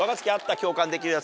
共感できるやつ。